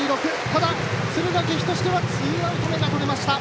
ただ、敦賀気比としてはツーアウト目がとれました。